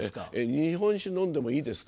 日本酒飲んでもいいですか？